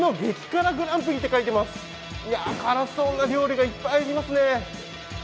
辛そうな料理がいっぱいありますね。